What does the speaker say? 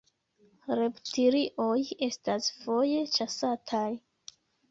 Reptilioj estas foje ĉasataj.